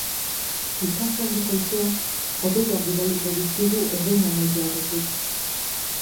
Itsaso aldeko haizeak hodeiak bidaliko dizkigu eguna amaitu aurretik.